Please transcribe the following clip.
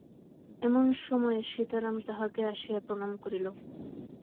এমন সময়ে সীতারাম তাঁহাকে আসিয়া প্রণাম করিল।